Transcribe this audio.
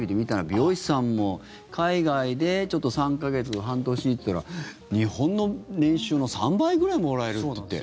美容師さんも海外で３か月、半年行ったら日本の年収の３倍ぐらいもらえるって言って。